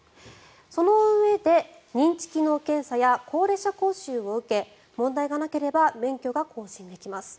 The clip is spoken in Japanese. そのうえで認知機能検査や高齢者講習を受け問題がなければ免許が更新できます。